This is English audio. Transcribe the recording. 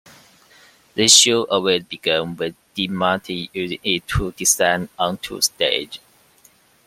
The show always began with Dean Martin using it to descend onto the stage.